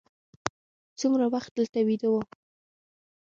څومره وخت دلته ویده وو.